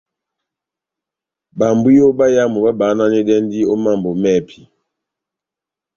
Bambwiyo báyámu babahananɛndini ó mambo mɛ́hɛpi.